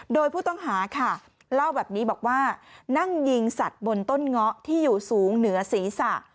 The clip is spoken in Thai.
โดยผู้ต้องหาค่ะเล่าแบบนี้บอกว่านั่งยิงสัตว์บนต้นเงาะที่อยู่สูงเหนือศีรษะ